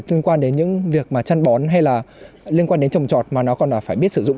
liên quan đến những việc mà chăn bón hay là liên quan đến trồng trọt mà nó còn phải biết sử dụng